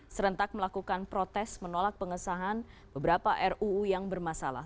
serentak melakukan protes menolak pengesahan beberapa ruu yang bermasalah